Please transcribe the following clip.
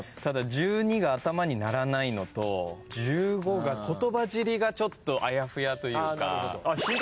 ただ１２が頭に鳴らないのと１５が言葉尻がちょっとあやふやというか。